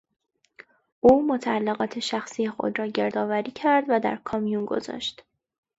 او متعلقات شخصی خود را گردآوری کرد و در کامیون گذاشت.